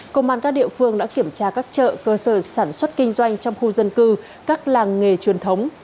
công an các địa phương đã kiểm tra các chợ cơ sở sản xuất kinh doanh trong khu dân cư các làng nghề truyền thống